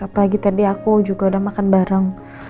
apalagi tadi aku juga udah makan bareng